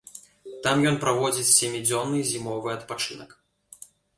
Там ён праводзіць сямідзённы зімовы адпачынак.